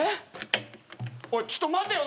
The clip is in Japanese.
おいちょっと待てよ！